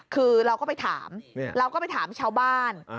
คือเราก็ไปถามเราก็ไปถามชาวบ้าน